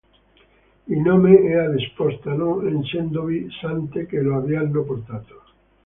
Il nome è adespota non essendovi sante che lo abbiano portato.